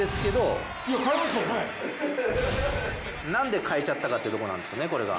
なんでかえちゃったかってとこなんですよねこれが。